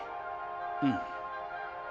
うん。